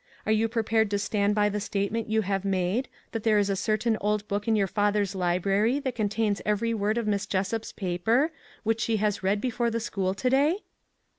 Are you prepared to stand by the statement you have made, that there is a certain old book in your father's library that contains every word of Miss Jessup's paper which she has read before the school to day?